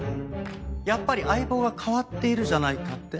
やっぱり相棒が変わっているじゃないかって？